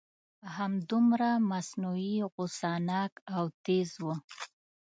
همدومره مصنوعي غصه ناک او تیز و.